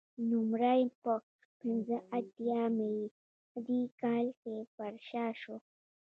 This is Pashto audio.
نوموړی په پنځه اتیا میلادي کال کې پرشا شو